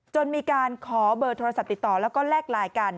จนมีการขอเบอร์โทรศัพท์ติดต่อแล้วก็แลกไลน์กัน